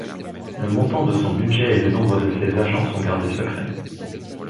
Le montant de son budget et le nombre de ses agents sont gardés secrets.